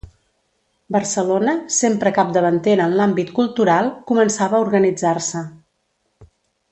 Barcelona, sempre capdavantera en l'àmbit cultural, començava a organitzar-se.